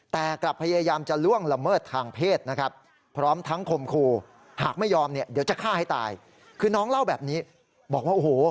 แต่กลับพยายามจะล่วงละเมิดทางเพศนะครับพร้อมทั้งคมคู่หากไม่ยอมเนี่ยเดี๋ยวจะฆ่าให้ตายคือน้องเล่าแบบนี้บอกว่าโอ้โห